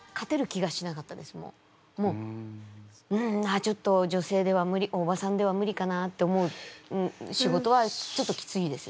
あちょっとじょせいでは無理おばさんでは無理かなと思う仕事はちょっときついです。